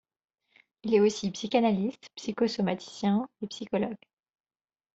Il est aussi psychanalyste, psychosomaticien et psychologue.